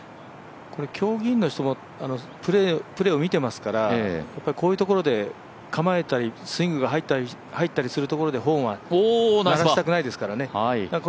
競技員の人もプレーを見ていますからこういうところで構えたりスイング入ったりするところでホーンは鳴らしたくないですからね。